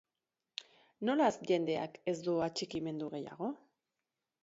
Nolaz jendeak ez du atxikimendu gehiago?